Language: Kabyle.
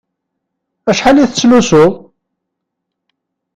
Acḥal i tettlusuḍ?